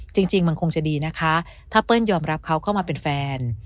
จริงมันคงจะดีนะคะถ้าเปิ้ลยอมรับเขาเข้ามาเป็นแฟน